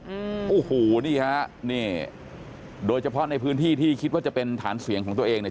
อืมโอ้โหนี่ฮะนี่โดยเฉพาะในพื้นที่ที่คิดว่าจะเป็นฐานเสียงของตัวเองเนี่ย